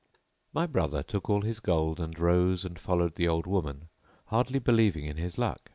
My brother took all his gold and rose and followed the old woman, hardly believing in his luck.